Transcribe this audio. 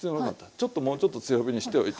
ちょっともうちょっと強火にしておいて。